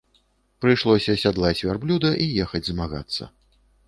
Прыйшлося сядлаць вярблюда і ехаць змагацца.